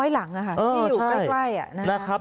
๕๐๐หลังที่อยู่ใกล้